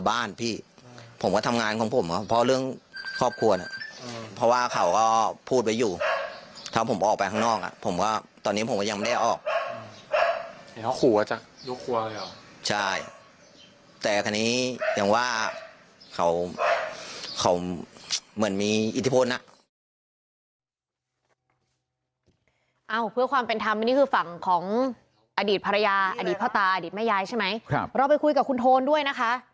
ใช่แต่ทีนี้ยังว่าเขาเหมือนมีอิทธิพลนะ